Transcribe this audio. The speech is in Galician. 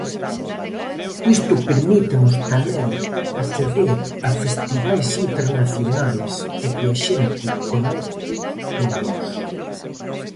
Isto permítenos tamén acceder a festivais internacionais e que a xente conecte con nós.